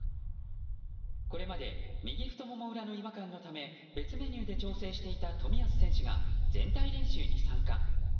これまで右太もも裏の違和感のため別メニューで調整していた冨安選手が全体練習に参加。